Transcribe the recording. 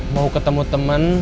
mau ketemu temen